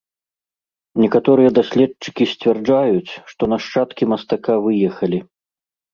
Некаторыя даследчыкі сцвярджаюць, што нашчадкі мастака выехалі.